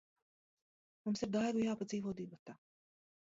Mums ar Daigu jāpadzīvo divatā.